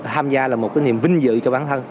tham gia là một cái niềm vinh dự cho bản thân